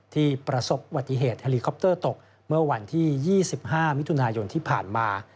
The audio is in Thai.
ที่ประสบวัติเหตุเฮลิคอปเตอร์ตกเมื่อวันที่๒๕มิถุนายนที่ผ่านมา